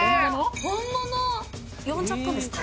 呼んじゃったんですか？